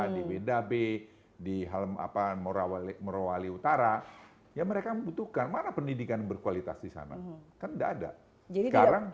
di beda b di morowali utara ya mereka membutuhkan mana pendidikan berkualitas di sana kan tidak ada